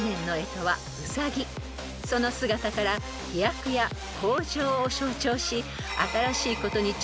［その姿から飛躍や向上を象徴し］